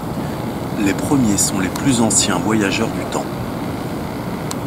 Les premiers sont les plus anciens voyageurs du temps.